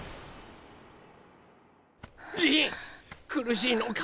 りん苦しいのか？